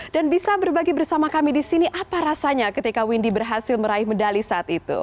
dan bisa berbagi bersama kami di sini apa rasanya ketika windy berhasil meraih medali saat itu